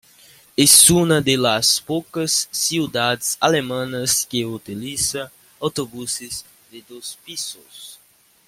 Es una de las pocas ciudades alemanas que utiliza autobuses de dos pisos.